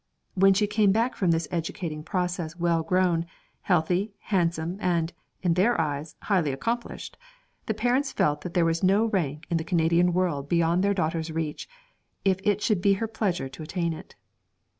When she came back from this educating process well grown, healthy, handsome, and, in their eyes, highly accomplished, the parents felt that there was no rank in the Canadian world beyond their daughter's reach, if it should be her pleasure to attain it.